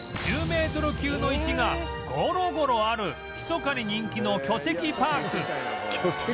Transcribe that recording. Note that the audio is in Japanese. １０メートル級の石がゴロゴロあるひそかに人気の巨石パーク